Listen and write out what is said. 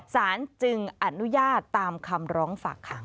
สารจึงอนุญาตตามคำร้องฝากขัง